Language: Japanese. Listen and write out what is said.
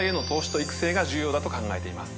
が重要だと考えています。